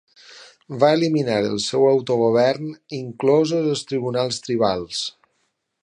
Va eliminar el seu autogovern, inclosos els tribunals tribals.